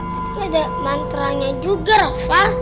tapi ada mantra nya juga rafa